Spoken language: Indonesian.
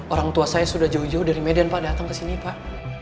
orang tua saya sudah jauh jauh dari median pak datang kesini pak